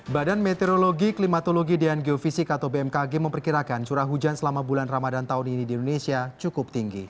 badan meteorologi klimatologi dan geofisik atau bmkg memperkirakan curah hujan selama bulan ramadan tahun ini di indonesia cukup tinggi